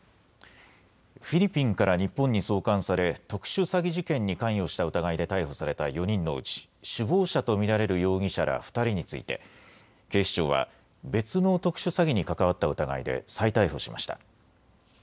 フィリピンから日本に送還され特殊詐欺事件に関与した疑いで逮捕された４人のうち首謀者と見られる容疑者ら２人について警視庁は別の特殊詐欺に関わった疑いで再逮捕しました。